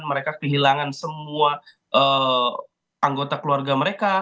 mereka kehilangan semua anggota keluarga mereka